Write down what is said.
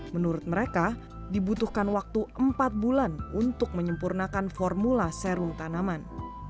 menurut mereka dibutuhkan waktu empat bulan untuk menyempurnakan formula serum tanaman